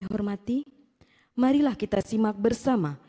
hormati marilah kita simak bersama